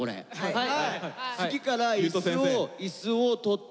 はい！